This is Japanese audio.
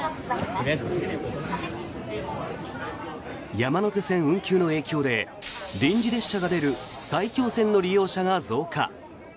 山手線運休の影響で臨時列車が出る埼京線の利用者が増加。